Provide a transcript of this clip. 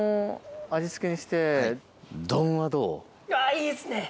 いいですね。